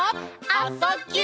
「あ・そ・ぎゅ」